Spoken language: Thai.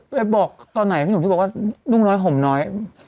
ไปบอกตอนไหนพี่หนูบอกว่ารุ่นน้อยห่มน้อย